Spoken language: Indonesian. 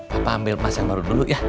papa ambil emas yang baru dulu ya